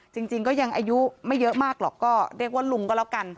จริงก็ยังอายุไม่เยอะมากหรอกก็เรียกว่าลุงก็แล้วกัน